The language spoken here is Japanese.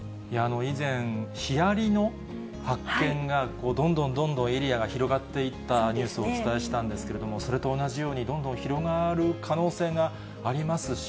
以前、ヒアリの発見がどんどんどんどんエリアが広がっていったニュースをお伝えしたんですけれども、それと同じようにどんどん広がる可能性がありますし、